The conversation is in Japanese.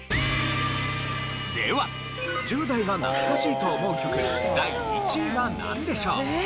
では１０代が懐かしいと思う曲第１位はなんでしょう？